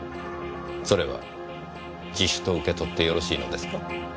それは自首と受け取ってよろしいのですか？